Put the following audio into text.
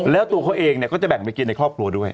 แล้วตัวเขาเองเนี่ยก็จะแบ่งไปกินในครอบครัวด้วย